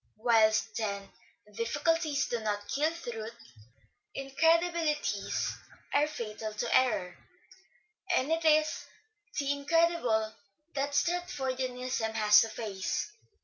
Whilst, then, difficulties do not kill truth, incredibilities are fatal to error ; and it is the incredible that Stratfordianism has to face.